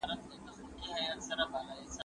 زه هره ورځ د سبا لپاره د هنرونو تمرين کوم..